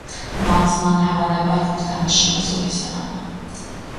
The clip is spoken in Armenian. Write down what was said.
Մաղզման հավանաբար խորհրդանշում է զոհի սեղանը։